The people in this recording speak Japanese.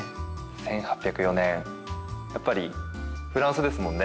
１８０４年やっぱりフランスですもんね。